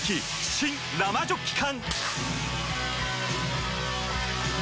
新・生ジョッキ缶！